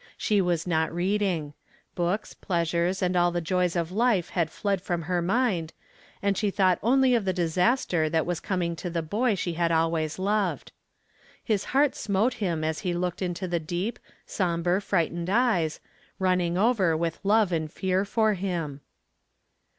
She was not reading. Books, pleasures and all the joys of life had fled from her mind and she thought only of the disaster that was coming to the boy she had always loved. His heart smote him as he looked into the deep, somber, frightened eyes, running over with love and fear for him.